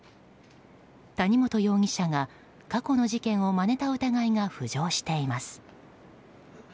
谷本容疑者が過去の事件をまねた疑いが浮上しています。